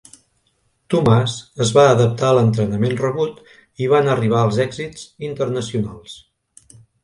Tomàs es va adaptar a l'entrenament rebut i van arribar els èxits internacionals.